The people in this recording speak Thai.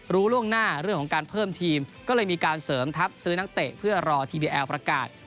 ล่วงหน้าเรื่องของการเพิ่มทีมก็เลยมีการเสริมทัพซื้อนักเตะเพื่อรอทีวีแอลประกาศ